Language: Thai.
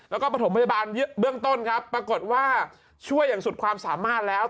แล้วก็ประถมพยาบาลเบื้องต้นครับปรากฏว่าช่วยอย่างสุดความสามารถแล้ว